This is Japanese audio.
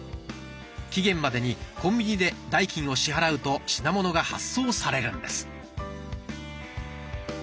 期限までにコンビニで代金を支払うと品物が発送されるんです。